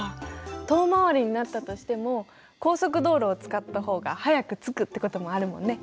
遠回りになったとしても高速道路を使った方が早く着くってこともあるもんね。